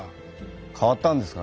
変わったんですかね。